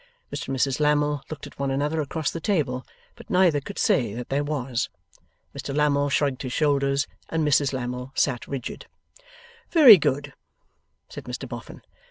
Mr and Mrs Lammle looked at one another across the table, but neither could say that there was. Mr Lammle shrugged his shoulders, and Mrs Lammle sat rigid. 'Very good,' said Mr Boffin.